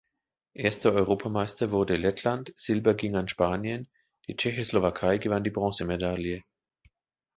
Erster Europameister wurde Lettland, Silber ging an Spanien, die Tschechoslowakei gewann die Bronzemedaille.